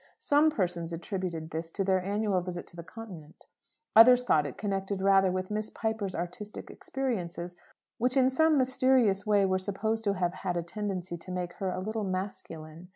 Some persons attributed this to their annual visit to the Continent: others thought it connected rather with Miss Piper's artistic experiences, which in some mysterious way were supposed to have had a tendency to make her "a little masculine."